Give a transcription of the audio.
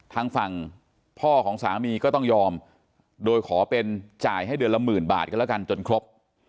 ทางฝั่งพ่อของสามีก็ต้องยอมโดยขอเป็นจ่ายให้เดือนละหมื่นบาทกันแล้วกันจนครบ